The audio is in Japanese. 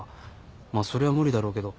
まあそれは無理だろうけど。